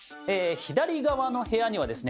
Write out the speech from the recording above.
左側の部屋にはですね